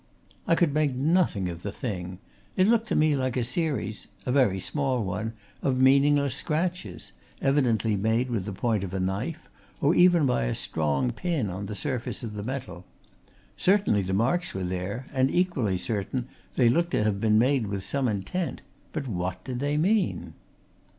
I could make nothing of the thing. It looked to me like a series a very small one of meaningless scratches, evidently made with the point of a knife, or even by a strong pin on the surface of the metal. Certainly, the marks were there, and, equally certainly, they looked to have been made with some intent but what did they mean?